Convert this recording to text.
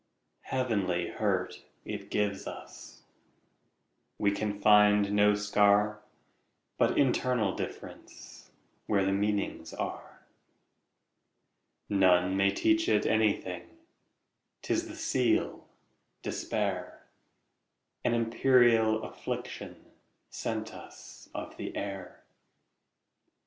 Heavenly hurt it gives us; We can find no scar, But internal differenceWhere the meanings are. None may teach it anything,'T is the seal, despair,—An imperial afflictionSent us of the air.